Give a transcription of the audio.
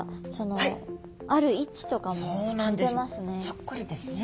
そっくりですね。